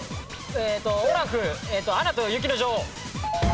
オラフアナと雪の女王。